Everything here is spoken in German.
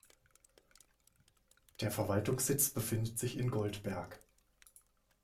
Der Verwaltungssitz befindet sich in Goldberg.